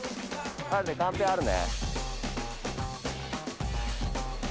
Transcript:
カンペあるね？